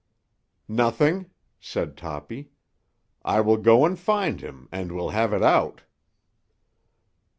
"Nothing," said Toppy. "I will go and find him, and we'll have it out."